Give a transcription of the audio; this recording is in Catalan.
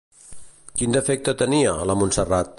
Quin defecte tenia, la Montserrat?